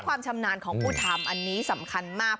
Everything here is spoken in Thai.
ความชำนาญของผู้ทำอันนี้สำคัญมาก